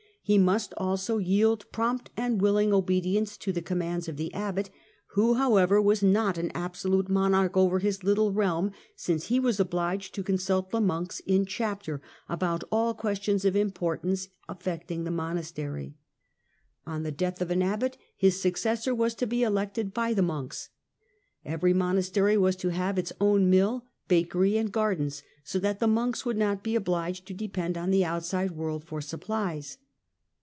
He must also yield prompt and willing obedience to the commands of the abbot, who, however, was not an absolute monarch over his little realm, since he was obliged to consult the monks in chapter about all questions of im portance affecting the monastery. On the death of an abbot, his successor was to be elected by the monks. Every monastery was to have its own mill, bakery and gardens, so that the monks would not be obliged to de pend on the outside world for supplies.